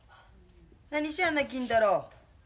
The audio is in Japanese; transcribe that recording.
何しやんな金太郎。